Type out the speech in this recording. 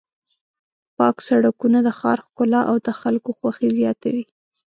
پاک سړکونه د ښار ښکلا او د خلکو خوښي زیاتوي.